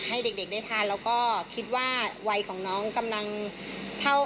ให้เด็กได้ทานแล้วก็คิดว่าวัยของน้องกำลังเท่า